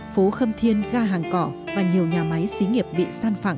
phố khâm thiên ga hàng cỏ và nhiều nhà máy xí nghiệp bị san phẳng